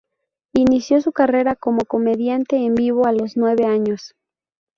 Inició su carrera como comediante en vivo a los nueve años.